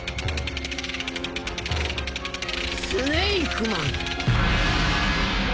スネイクマン！